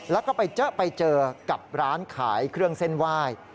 แล้วก็ไปเจอไปเจอกับร้านขายเครื่องเส้นไหว้